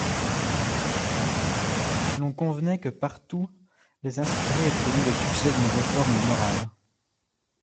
L'on convenait que partout les inspirés obtenaient le succès d'une réforme morale.